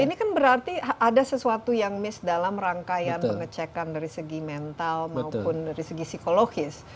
ini kan berarti ada sesuatu yang miss dalam rangkaian pengecekan dari segi mental maupun dari segi psikologis